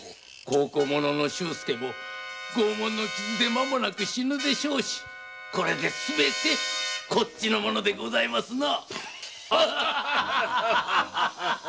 孝行者の周介も拷問の傷でまもなく死ぬでしょうしこれですべてこっちのものでございますな。